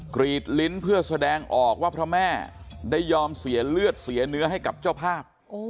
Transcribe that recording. กรีดลิ้นเพื่อแสดงออกว่าพระแม่ได้ยอมเสียเลือดเสียเนื้อให้กับเจ้าภาพ